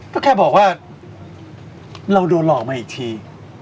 ก็แค่บอกว่าเราโดนหลอกมาอีกที